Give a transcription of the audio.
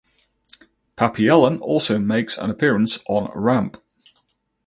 Pappy Allen also makes an appearance on "Ramp".